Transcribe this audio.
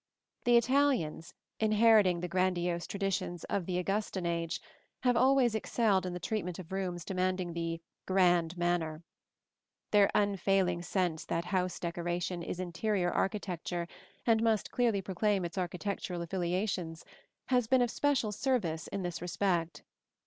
The Italians, inheriting the grandiose traditions of the Augustan age, have always excelled in the treatment of rooms demanding the "grand manner." Their unfailing sense that house decoration is interior architecture, and must clearly proclaim its architectural affiliations, has been of special service in this respect.